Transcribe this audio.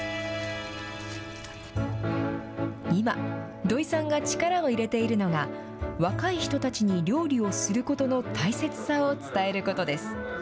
今、土井さんが力を入れているのが、若い人たちに料理をすることの大切さを伝えることです。